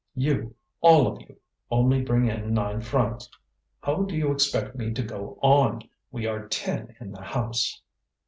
You, all of you, only bring in nine francs. How do you expect me to go on? We are ten in the house."